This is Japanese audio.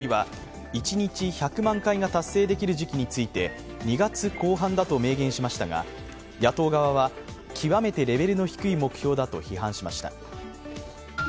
岸田総理は一日１００万回が達成できる時期について２月後半だと明言しましたが、野党側は極めてレベルの低い目標だと批判しました。